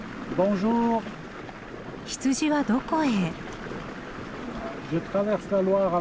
羊はどこへ？